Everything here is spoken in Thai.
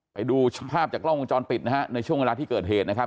ไปดูภาพจากกล้องวงจรปิดนะฮะในช่วงเวลาที่เกิดเหตุนะครับ